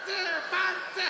パンツー！」